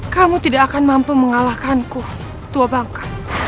kamu tidak akan mampu mengalahkanku tua bangka